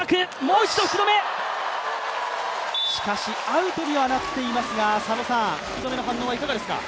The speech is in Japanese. アウトにはなっていますが福留の反応はいかがですか？